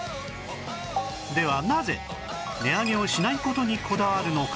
ではなぜ値上げをしない事にこだわるのか？